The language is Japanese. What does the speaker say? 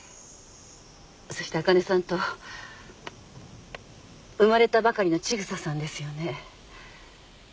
そしてあかねさんと生まれたばかりの千草さんですよね？